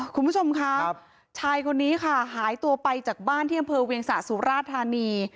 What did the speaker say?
คุณผู้ชมคะชายคนนี้ค่ะหายตัวไปจากบ้านที่อำเภอเวียงสะสุราธานี